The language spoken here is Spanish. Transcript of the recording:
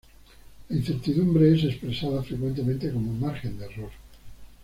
La incertidumbre es expresada frecuentemente como margen de error.